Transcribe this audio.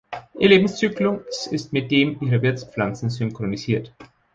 Ihr Lebenszyklus ist mit dem ihrer Wirtspflanzen synchronisiert.